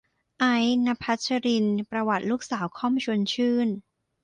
ไอซ์ ณพัชรินทร์ ประวัติลูกสาวค่อม ชวนชื่น